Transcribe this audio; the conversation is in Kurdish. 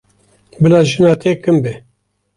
Bila jina te kin be.